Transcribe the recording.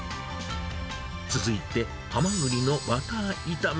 続いて、ハマグリのバター炒め。